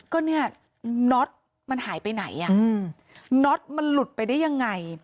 ก็เนี่ยน็อตมันหายไปไหนอ่ะน็อตมันหลุดไปได้ยังไง